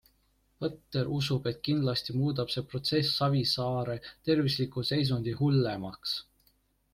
Põdder usub, et kindlasti muudab see protsess Savisaare tervisliku seisundi hullemaks.